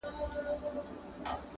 زه چي وګورمه تاته عجیبه سم,